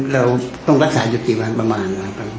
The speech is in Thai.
แล้วต้องการสายจุดกี่วันประมาณ